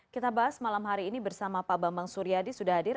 kita bahas malam hari ini bersama pak bambang suryadi sudah hadir